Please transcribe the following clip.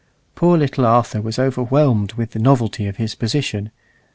Poor little Arthur was overwhelmed with the novelty of his position.